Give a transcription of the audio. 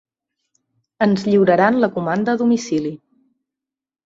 Ens lliuraran la comanda a domicili.